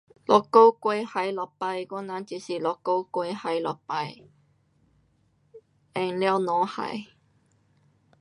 一个月还一次，我人就是一个月还一次。用了才还。